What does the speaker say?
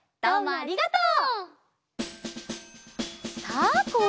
ありがとう！